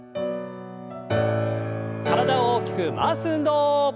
体を大きく回す運動。